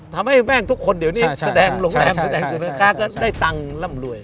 ทำให้แม่งทุกคนเดี๋ยวนี้แสดงโรงแรมแสดงสินค้าก็ได้ตังค์ร่ำรวย